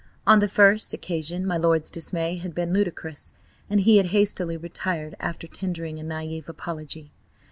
On the first occasion my lord's dismay had been ludicrous, and he had hastily retired after tendering a näive apology.